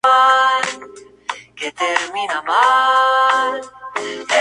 Tiene un extenso hábitat, y flores de color violeta-azul.